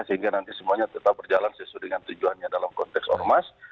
sehingga nanti semuanya tetap berjalan sesuai dengan tujuannya dalam konteks ormas